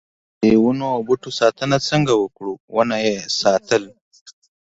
ددې ونو او بوټو ساتنه څنګه وکړو ونه یې ساتل.